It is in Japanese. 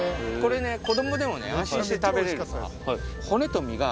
これね、子どもでも安心して食べれるから。